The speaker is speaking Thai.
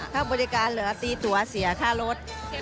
ถ้าบริการเหลือตีตัวเสียค่ารถ